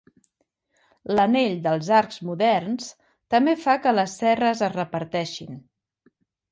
L'anell dels arcs moderns, també fa que les cerres es reparteixin.